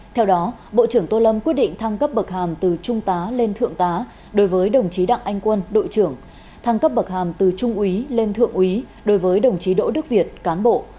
theo đó bộ trưởng tô lâm quyết định thăng cấp bậc hàm từ trung tá lên thượng tá đối với đồng chí đặng anh quân đội trưởng thăng cấp bậc hàm từ trung úy lên thượng úy đối với đồng chí đỗ đức việt cán bộ